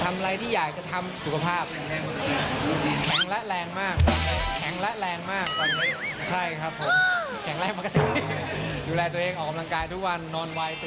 อะไรอย่างนี้